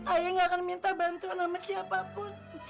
ayah gak akan minta bantuan sama siapapun